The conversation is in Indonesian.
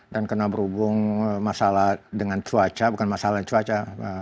dan karena berhubung masalah dengan cuaca bukan masalah cuaca